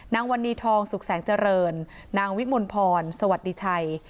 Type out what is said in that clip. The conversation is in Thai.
นางวันนี้ทองสุขแสงเจริญนางวิมลพรสวัสดีชัย